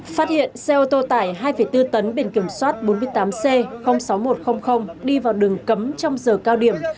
phát hiện xe ô tô tải hai bốn tấn biển kiểm soát bốn mươi tám c sáu nghìn một trăm linh đi vào đường cấm trong giờ cao điểm